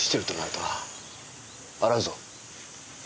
洗うぞ。